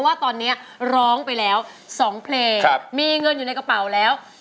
ว่าตอนนี้ร้องไปแล้ว๒เพลงมีเงินอยู่ในกระเป๋าแล้ว